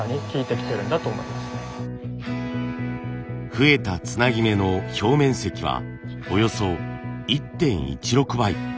増えたつなぎ目の表面積はおよそ１．１６倍。